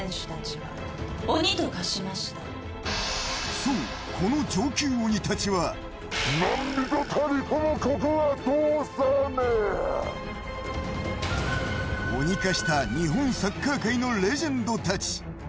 そう、この上級鬼たちは鬼化した日本サッカー界のレジェンドたち。